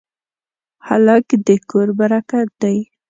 هلک د کور برکت دی.